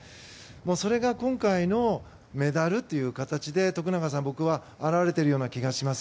それが今回のメダルという形で徳永さん、僕は表れているような気がします。